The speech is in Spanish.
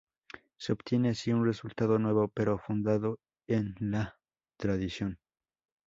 Se obtiene así un resultado nuevo pero fundado en la tradición.